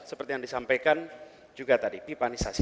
seperti yang disampaikan juga tadi pipanisasi